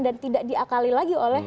dan tidak diakali lagi oleh